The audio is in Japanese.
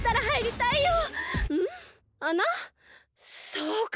そうか！